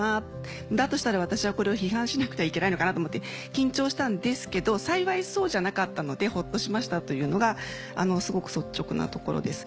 だとしたら私はこれを批判しなくてはいけないのかなと思って緊張したんですけど幸いそうじゃなかったのでホッとしましたというのがすごく率直なところです。